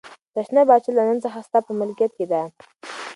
دا شنه باغچه له نن څخه ستا په ملکیت کې ده.